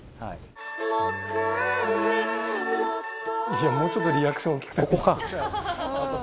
いやもうちょっとリアクションおっきくても。